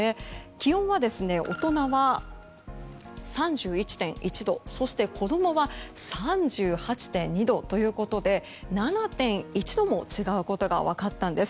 気温は、大人は３１．１度そして子供は３８．２度ということで７．１度も違うことが分かったんです。